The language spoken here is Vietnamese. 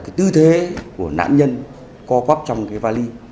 chỉ còn tư thế của nạn nhân co quắp trong cái vali